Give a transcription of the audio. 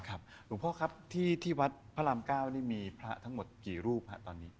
หลวงพ่อครับที่วัดพระราม๙นี่มีพระทั้งหมดกี่รูปครับตอนนี้